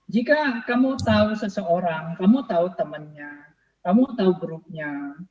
jika kamu tahu seseorang kamu tahu temannya kamu tahu grupnya